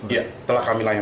iya telah kami layankan